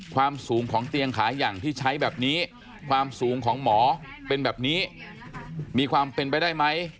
ความสูงของเตียงขาอย่างที่ใช้แบบนี้ความสูงของหมอเป็นแบบนี้มีความเป็นไปได้ไหม